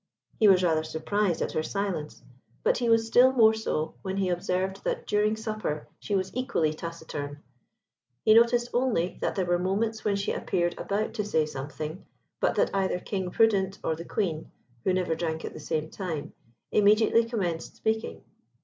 He was rather surprised at her silence, but he was still more so when he observed that during supper she was equally taciturn. He noticed only that there were moments when she appeared about to say something, but that either King Prudent or the Queen (who never drank at the same time) immediately commenced speaking.